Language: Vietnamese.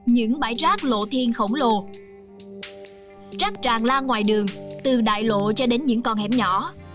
những bãi rác lộ thiên khổng lồ rác tràn lan ngoài đường từ đại lộ cho đến những con hẻm nhỏ